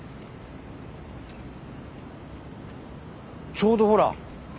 ちょうどほら。